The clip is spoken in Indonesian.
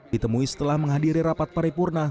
ditemui setelah menghadiri rapat paripurna